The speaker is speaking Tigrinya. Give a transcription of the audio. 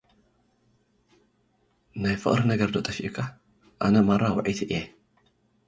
ናይ ፍቕሪ ነገርዶ ጠፊኡካ - ኣነ ማራ ውዕይቲ እየ።